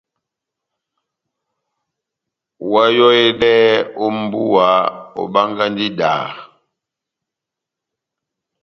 Oháyohedɛhɛ ó mbúwa, obángahi idaha.